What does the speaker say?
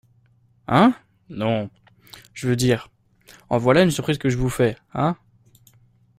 Hein ?… non… je veux dire : en voilà une surprise que je vous fais, hein ?